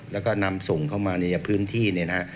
และก็นำส่งเข้ามาในพื้นที่